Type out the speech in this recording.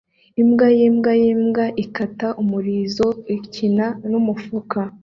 imbwa yimbwa yimbwa ikata umurizo ikina numufuka